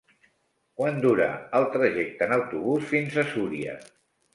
Quant dura el trajecte en autobús fins a Súria?